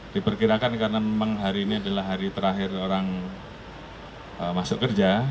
diperkirakan karena memang hari ini adalah hari terakhir orang masuk kerja